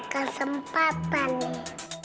kan sempat panik